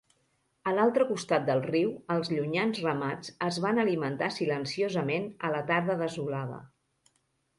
A l'altre costat del riu, els llunyans ramats es van alimentar silenciosament a la tarda desolada.